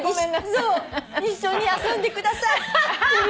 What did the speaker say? そう「一緒に遊んでください」って。